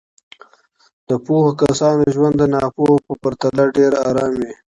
د پوهو کسانو ژوند د ناپوهو په پرتله ډېر ارام وي.